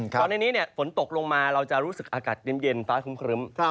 ตอนนี้ฝนตกลงมาเราจะรู้สึกอากาศเย็นฟ้าครึ้ม